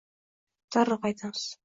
Darrov qaytamiz